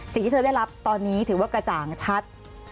สิ่งที่เธอได้รับตอนนี้ถือว่ากระจ่างชัด